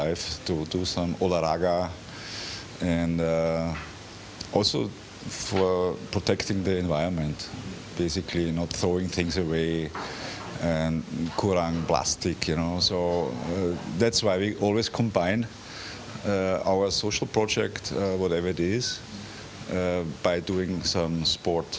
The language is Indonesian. itu sebabnya kita selalu menggabungkan proyek sosial kita dengan sebuah sport